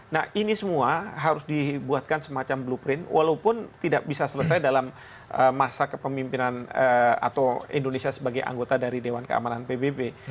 nah ini semua harus dibuatkan semacam blueprint walaupun tidak bisa selesai dalam masa kepemimpinan atau indonesia sebagai anggota dari dewan keamanan pbb